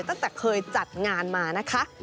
ตั้งแต่เคยจัดงานมานะคะ